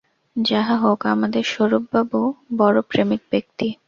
যাহা হউক, আমাদের স্বরূপবাবু বড়ো প্রেমিক ব্যক্তি।